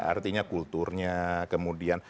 artinya kulturnya kemudian